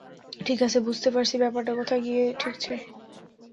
ঠিক আছে, বুঝতে পারছি ব্যাপারটা কোথায় গিয়ে ঠেকছে।